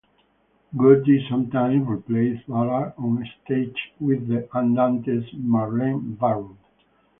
Gordy sometimes replaced Ballard on stage with the Andantes' Marlene Barrow.